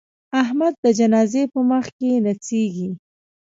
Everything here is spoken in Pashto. احمد د جنازې په مخ کې نڅېږي.